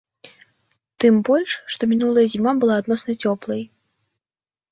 Тым больш, што мінулая зіма была адносна цёплай.